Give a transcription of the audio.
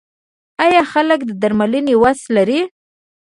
آیا خلک د درملنې وس لري؟